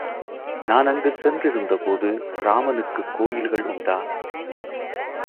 நான் அங்கு சென்றிருந்தபோது, ராமனுக்குக் கோயில்கள் உண்டா?